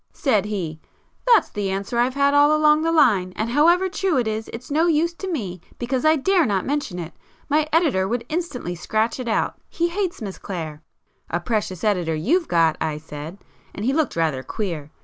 Said he—'That's the answer I've had all along the line, and however true it is, it's no use to me because I dare not mention it. My editor would instantly scratch it out—he hates Miss Clare.' 'A precious editor you've got!' I said, and he looked rather queer.